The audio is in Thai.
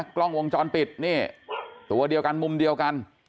กล้องวงจรปิดนี่ตัวเดียวกันมุมเดียวกัน